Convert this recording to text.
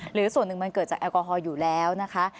หรือส่วนหนึ่งมันเกิดจากแอลกอฮอล์อยู่แล้วนะคะ